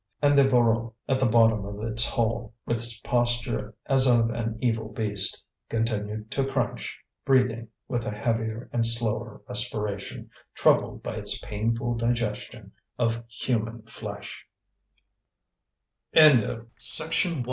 And the Voreux, at the bottom of its hole, with its posture as of an evil beast, continued to crunch, breathing with a heavier and slower respiration, troubled by its painful digestion of h